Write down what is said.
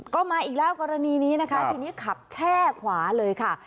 ก็มาอีกแล้วกรณีนี้นะคะทีนี้ขับแช่ขวาเลยค่ะ